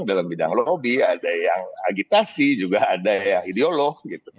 dalam bidang lobby ada yang agitasi juga ada yang ideolog